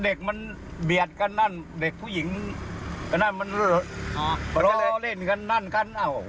ครับเด็กมันเบียดกันนั่นเด็กผู้หญิงกันนั่นมันล้อเล่นกันนั่นกัน